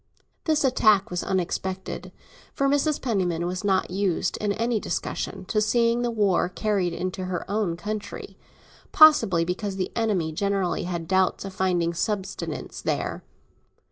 This attack was unexpected, for Mrs. Penniman was not used, in any discussion, to seeing the war carried into her own country—possibly because the enemy generally had doubts of finding subsistence there.